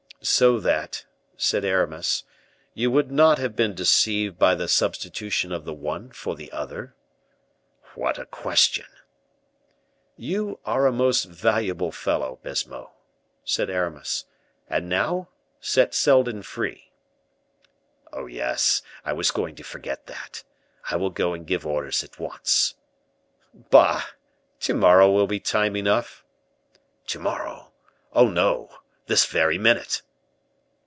"So that," said Aramis, "you would not have been deceived by the substitution of the one for the other?" "What a question!" "You are a most valuable fellow, Baisemeaux," said Aramis; "and now, set Seldon free." "Oh, yes. I was going to forget that. I will go and give orders at once." "Bah! to morrow will be time enough." "To morrow! oh, no. This very minute."